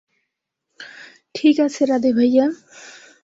ঠিক আছে, রাধে ভাইয়া।